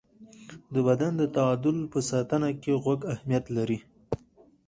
د بدن د تعادل په ساتنه کې غوږ اهمیت لري.